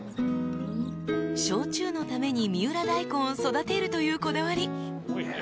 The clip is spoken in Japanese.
［焼酎のために三浦大根を育てるというこだわり］